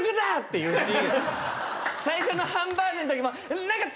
最初のハンバーグのときも。